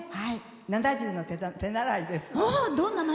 ７０の手習いです。